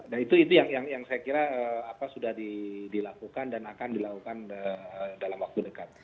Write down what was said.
nah itu yang saya kira sudah dilakukan dan akan dilakukan dalam waktu dekat